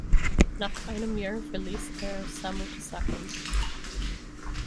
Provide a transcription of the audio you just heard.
Nach einem Jahr verließ er Samut Sakon.